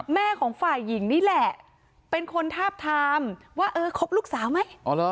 แม่ของฝ่ายหญิงนี่แหละเป็นคนทาบทามว่าเออคบลูกสาวไหม